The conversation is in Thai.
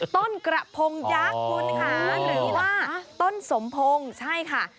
ต้นกระพงยักษ์คุณค่ะหรือว่าต้นสมพงศ์ใช่ค่ะ